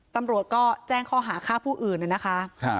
ตำรวจก็แจ้งข้อหาฆ่าผู้อื่นนะคะ